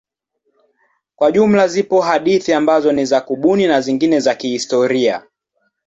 Kwa jumla zipo hadithi ambazo ni za kubuni na zingine za kihistoria.